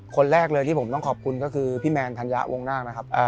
คนแรกเลยที่ผมต้องขอบคุณก็คือพี่แมนธัญญะวงนาคนะครับ